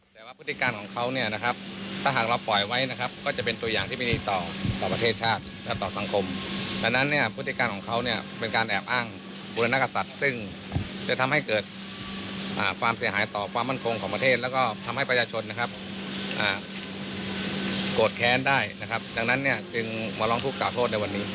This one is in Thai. แล้วก็ทำให้ประชาชนโกรธแค้นได้จึงมาลองทุกข์กล่าวโทษในวันนี้